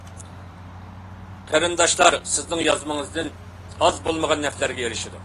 قېرىنداشلار سىزنىڭ يازمىڭىزدىن ئاز بولمىغان نەپلەرگە ئېرىشىدۇ.